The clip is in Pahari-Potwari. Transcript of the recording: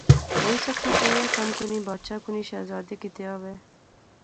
ہوئی سکنا کہ ایہہ کم کُنی بادشاہ، کنی شہزادے کیتیا وہے